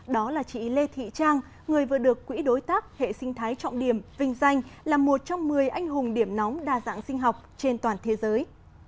đó là chị lê thị trang người vừa được quỹ đối tác hệ sinh thái trọng điểm vinh danh là một trong một mươi anh hùng điểm nóng đa dạng sinh học trên toàn thế giới